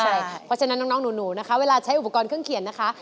เพราะฉะนั้นน้องหนูนะคะเวลาใช้อุปกรณ์เครื่องเขียนนะคะ